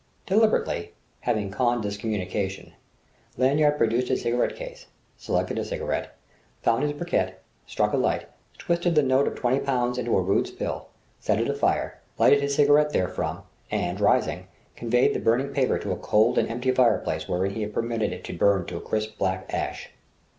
Deliberately, having conned this communication, Lanyard produced his cigarette case, selected a cigarette, found his briquet, struck a light, twisted the note of twenty pounds into a rude spill, set it afire, lighted his cigarette there from and, rising, conveyed the burning paper to a cold and empty fire place wherein he permitted it to burn to a crisp black ash.